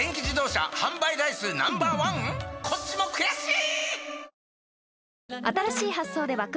こっちも悔しい！